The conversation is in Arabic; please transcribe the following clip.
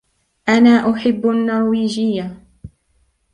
أنا أُحِب النرويجية.